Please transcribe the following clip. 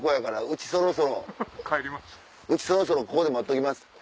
うちそろそろここで待っときます